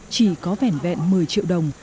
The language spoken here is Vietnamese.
chỉ có vẻn vẹn một mươi triệu đồng